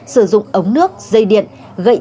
sử dụng ống nước dây điện gậy tre đánh vỡ